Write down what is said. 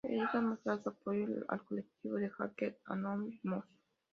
Ellos han mostrado su apoyo al colectivo de hackers Anonymous.